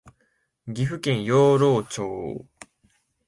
岐阜県養老町